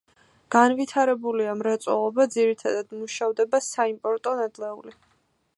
განვითარებულია მრეწველობა, ძირითადად მუშავდება საიმპორტო ნედლეული.